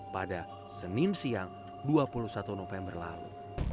pada senin siang dua puluh satu november lalu